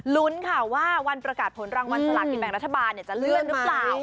ลุ้นค่ะว่าวันประกาศผลรางวัลสลากินแบ่งรัฐบาลจะเลื่อนหรือเปล่า